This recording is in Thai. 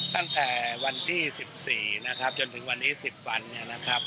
ตั้งแต่วันที่๑๔จนถึงวันนี้๑๐วัน